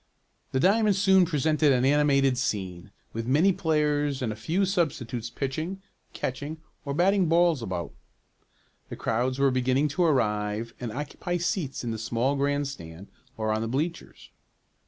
The diamond soon presented an animated scene, with many players and a few substitutes pitching, catching or batting balls about. The crowds were beginning to arrive and occupy seats in the small grandstand or on the bleachers.